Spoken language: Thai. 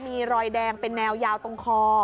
มีรอยแดงเป็นแนวยาวตรงคอ